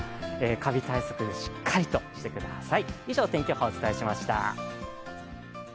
かび対策、しっかりとしてください。